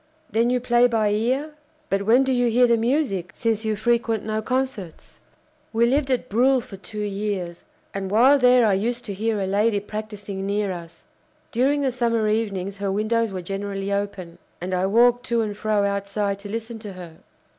Then you play by ear? But when do you hear the music, since you frequent no concerts?" "We lived at Bruhl for two years, and while there I used to hear a lady practising near us. During the summer evenings her windows were generally open, and I walked to and fro outside to listen to her."